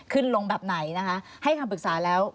ขึ้นลงแบบไหนนะคะให้คำปรึกษาแล้ว